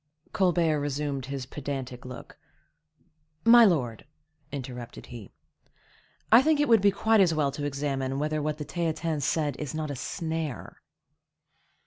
Colbert resumed his pedantic look. "My lord," interrupted he, "I think it would be quite as well to examine whether what the Theatin said is not a snare."